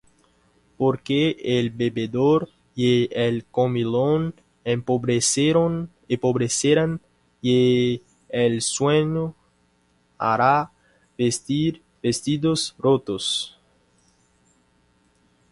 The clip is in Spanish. Porque el bebedor y el comilón empobrecerán: Y el sueño hará vestir vestidos rotos.